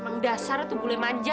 emang dasarnya tuh bule manja